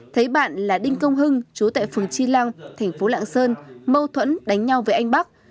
thấy bạn là đinh công hưng chú tại phường chi lăng thành phố lạng sơn mâu thuẫn đánh nhau với anh bắc